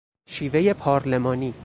شیوهی پارلمانی